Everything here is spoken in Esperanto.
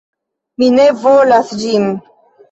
Mi ne volas ĝin!